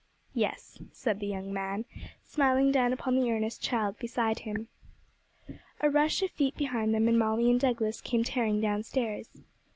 'Yes,' said the young man, smiling down upon the earnest child beside him. A rush of feet behind them, and Molly and Douglas came tearing downstairs.